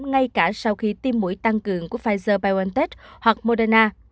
ngay cả sau khi tiêm mũi tăng cường của pfizer biontech hoặc moderna